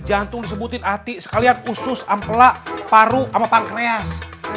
jantung disebutin ati sekalian usus ampela paru sama pankreas